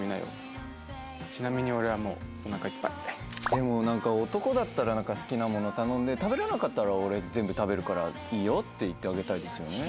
でもなんか男だったら「好きなもの頼んで食べれなかったら俺全部食べるからいいよ」って言ってあげたいですよね。